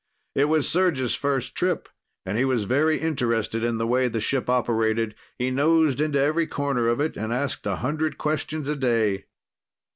It was Serj's first trip and he was very interested in the way the ship operated. He nosed into every corner of it and asked a hundred questions a day.